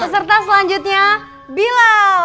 peserta selanjutnya bilal